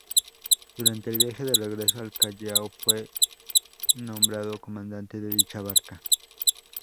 Durante el viaje de regreso al Callao, fue nombrado comandante de dicha barca.